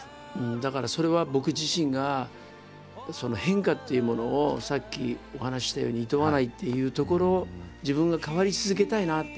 だからそれは僕自身がその変化っていうものをさっきお話ししたようにいとわないっていうところ自分が変わり続けたいなって。